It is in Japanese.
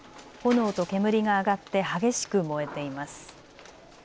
炎と煙が上がって激しく燃えています。